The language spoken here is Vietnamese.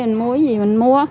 mình mua cái gì mình mua